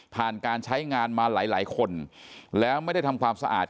การใช้งานมาหลายคนแล้วไม่ได้ทำความสะอาด